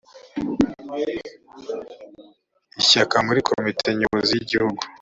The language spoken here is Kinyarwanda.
ishyaka muri komite nyobozi y igihugu